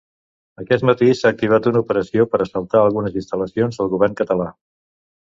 Aquest matí s’ha activat una operació per assaltar algunes instal·lacions del govern català.